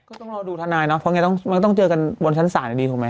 ก็ต้องรอดูทนายเนาะเพราะไงมันก็ต้องเจอกันบนชั้นศาลดีถูกไหม